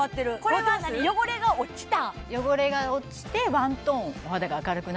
これは何汚れが落ちた？